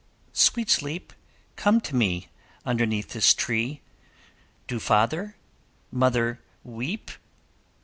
'Sweet sleep, come to me, Underneath this tree; Do father, mother, weep?